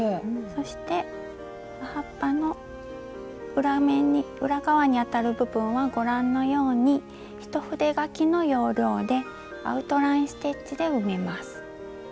そして葉っぱの裏面裏側にあたる部分はご覧のように一筆書きの要領でアウトライン・ステッチで埋めます。